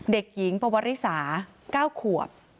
เด็กหญิงปวริสา๙ขวบ